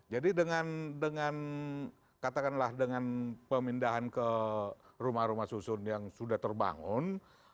jadi dengan katakanlah dengan pemindahan ke rumah rumah susun yang sudah terbangun